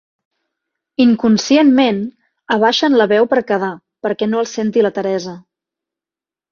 Inconscientment abaixen la veu per quedar, perquè no els senti la Teresa.